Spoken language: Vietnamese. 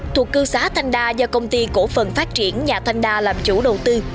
thuộc cư xá thanh đa do công ty cổ phần phát triển nhà thanh đa làm chủ đầu tư